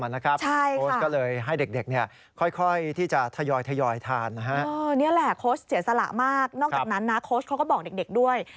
นอกจากนั้นนะโค้ชเขาก็บอกเด็กด้วย